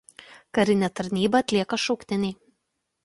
Karinę tarnybą atlieka šauktiniai.